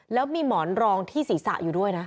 แล้วมีหมอนรองที่ศีรษะอยู่ด้วยนะ